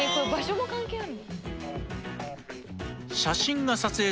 場所が関係ある？